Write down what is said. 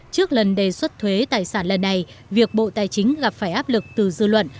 trước lần đề xuất thuế tài sản lần này việc bộ tài chính gặp phải áp lực từ dư luận